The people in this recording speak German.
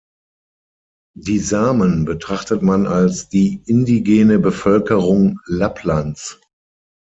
Die Samen betrachtet man als die indigene Bevölkerung Lapplands.